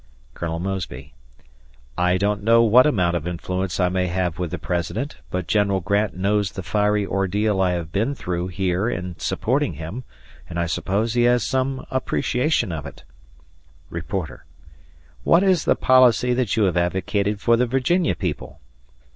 Colonel Mosby: "I don't know what amount of influence I may have with the President, but General Grant knows the fiery ordeal I have been through here in supporting him, and I suppose he has some appreciation of it." Reporter: "What is the policy that you have advocated for the Virginia people?"